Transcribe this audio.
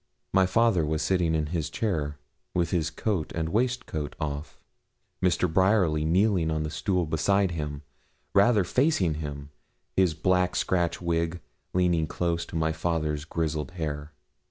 My father was sitting in his chair, with his coat and waistcoat off, Mr. Bryerly kneeling on a stool beside him, rather facing him, his black scratch wig leaning close to my father's grizzled hair.